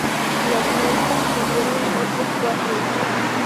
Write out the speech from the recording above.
Los Nelson tuvieron otros cuatro hijos.